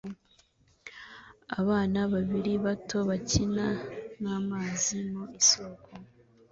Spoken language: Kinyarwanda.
Abana babiri bato bakina n'amazi mu isoko